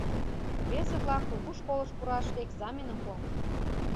Рвезе-влак кугу школыш пураш экзаменым пуат.